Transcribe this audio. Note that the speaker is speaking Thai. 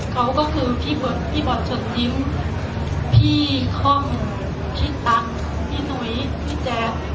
เขาก็คือพี่เบิร์ดพี่บอสจนทิ้งพี่คอมพี่ตั๊กพี่หนุ๊ยพี่แจ๊บ